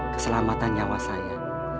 keselamatan nyawa saya